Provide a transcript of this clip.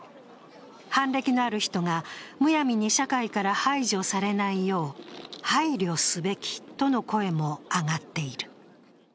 犯歴のある人がむやみに社会から排除されないよう配慮すべきとの声も上がっている。